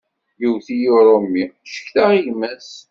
Yewwet-iyi urumi, ccektaɣ i gma-s.